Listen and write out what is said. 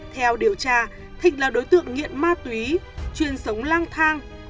theo điều tra thịnh là đối tượng nghiện ma túy chuyên sống lang thang